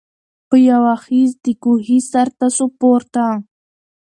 په یوه خېز د کوهي سرته سو پورته